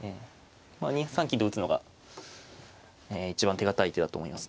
２三金と打つのが一番手堅い手だと思いますね。